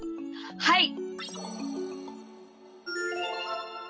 はい！